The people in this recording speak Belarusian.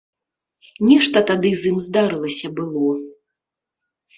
Нешта тады з ім здарылася было.